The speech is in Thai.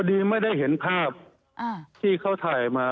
ดีไม่ได้เห็นภาพที่เขาถ่ายมา